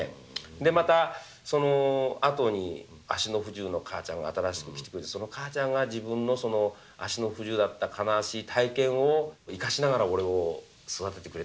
でまたそのあとに足の不自由な母ちゃんが新しく来てくれてその母ちゃんが自分の足の不自由だった悲しい体験を生かしながら俺を育ててくれた。